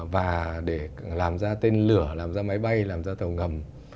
và để làm ra tên lửa làm ra máy bay làm ra tàu ngầm